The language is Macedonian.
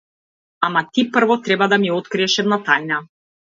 Ама ти прво треба да ми откриеш една тајна!